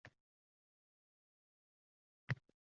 Krematoriyga ham kelmasligi aniq